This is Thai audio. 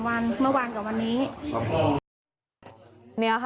วันเมื่อวานกับวันนี้